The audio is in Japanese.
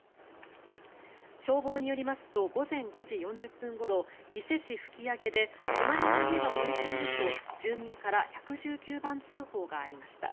消防によりますと午前５時４０分ごろ伊勢市吹上で隣の家が燃えていると住民から１１９番通報がありました。